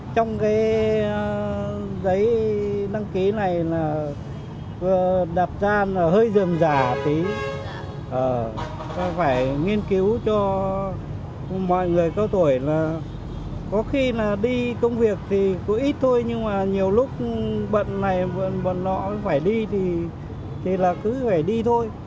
trong cái giấy đăng ký này là đạp dan hơi dườm dà tí phải nghiên cứu cho mọi người cao tuổi là có khi là đi công việc thì có ít thôi nhưng mà nhiều lúc bận này bận đó phải đi thì là cứ phải đi thôi